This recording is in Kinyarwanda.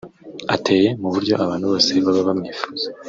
ateye mu buryo abantu bose baba bamwifuza